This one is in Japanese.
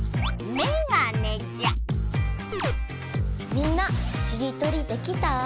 みんなしりとりできた？